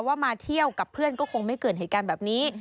มาเที่ยวกับเพื่อนก็คงไม่เกิดเหตุการณ์แบบนี้